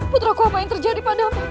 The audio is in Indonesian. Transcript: putraku apa yang terjadi pada aku